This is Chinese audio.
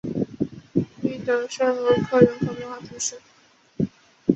伊德圣罗克人口变化图示